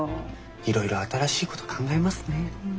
いろいろ新しいこと考えますね。